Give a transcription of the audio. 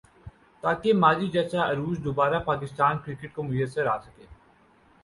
تاکہ ماضی جیسا عروج دوبارہ پاکستان کرکٹ کو میسر آ سکے